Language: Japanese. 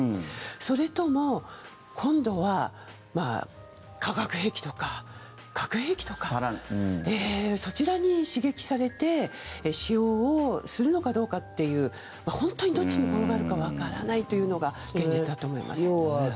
それとも今度は化学兵器とか核兵器とかそちらに刺激されて使用するのかどうかという本当にどっちに転がるかわからないというのが現実だと思います。